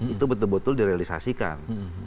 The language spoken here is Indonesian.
itu betul betul direalisasikan